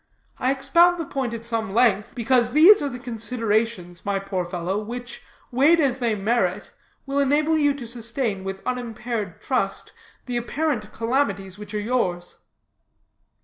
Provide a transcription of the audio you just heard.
I expound the point at some length, because these are the considerations, my poor fellow, which, weighed as they merit, will enable you to sustain with unimpaired trust the apparent calamities which are yours."